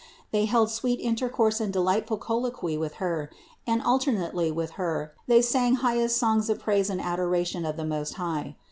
They held sweet inter course and delightful colloquy with Her, and alternately with Her they sang highest songs of praise and adora tion of the Most High.